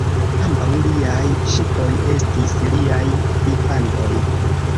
Ambaŭ liaj ŝipoj estis liaj infanoj.